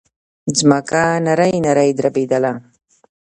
ځمکه نرۍ نرۍ دربېدله.